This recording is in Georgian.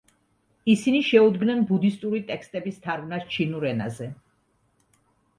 ისინი შეუდგნენ ბუდისტური ტექსტების თარგმნას ჩინურ ენაზე.